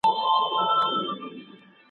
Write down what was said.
پرشتي له نور څخه پیدا سوې دي.